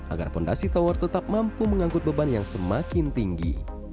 agar fondasi tower tetap mampu mengangkut beban yang semakin tinggi